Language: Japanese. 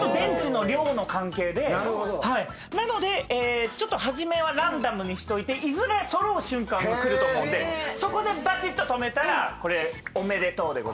なのでちょっと初めはランダムにしといていずれ揃う瞬間が来ると思うんでそこでばちっと止めたらおめでとうでございます。